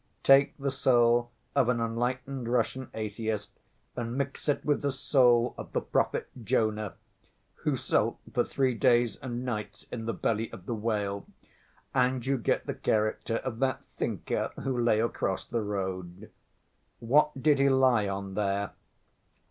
Take the soul of an enlightened Russian atheist and mix it with the soul of the prophet Jonah, who sulked for three days and nights in the belly of the whale, and you get the character of that thinker who lay across the road." "What did he lie on there?"